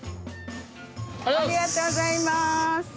ありがとうございます。